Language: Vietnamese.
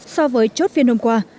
so với chốt phiên hôm qua